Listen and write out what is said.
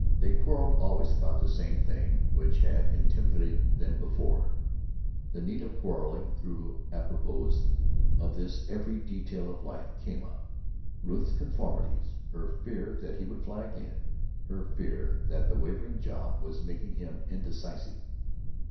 " They quarreled always about the one thing which had intimidated them before—the need of quarreling; though apropos of this every detail of life came up: Ruth's conformities; her fear that he would fly again; her fear that the wavering job was making him indecisive.